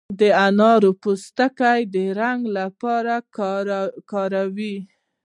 د انارو پوستکي د رنګ لپاره کاروي.